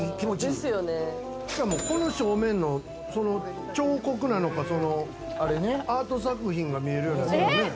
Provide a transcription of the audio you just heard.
しかも、この正面の彫刻なのか、あれね、アート作品が見えるようになってる。